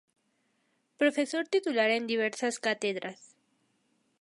Profesor titular en diversas cátedras.